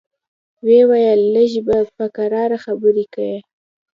ويې ويل لږ به په کراره خبرې کيې.